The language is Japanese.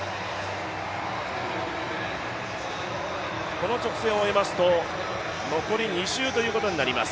この直線を終えますと、残り２周ということになります。